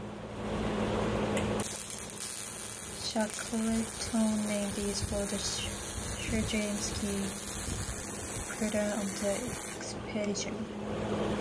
Shackleton named it for Sir James Key Caird, patron of the expedition.